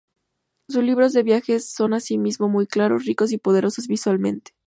Sus libros de viajes son asimismo muy claros, ricos y poderosos visualmente.